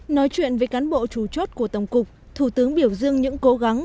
nói chuyện với cán bộ chủ chốt của tổng cục thủ tướng biểu dương những cố gắng